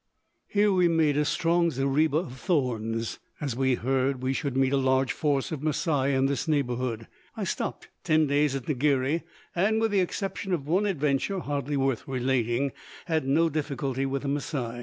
Here we made a strong zariba of thorns, as we had heard we should meet a large force of Masai in this neighborhood. I stopped ten days at Ngiri, and, with the exception of one adventure hardly worth relating, had no difficulty with the Masai.